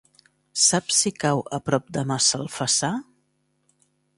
Saps si cau a prop de Massalfassar?